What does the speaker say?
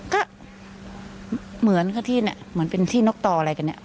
ก็เหมือนค่ะที่เนี่ยเหมือนเป็นที่นกต่ออะไรกันเนี่ย